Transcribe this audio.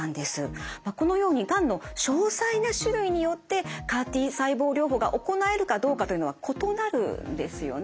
このようにがんの詳細な種類によってＣＡＲ−Ｔ細胞療法が行えるかどうかというのは異なるんですよね。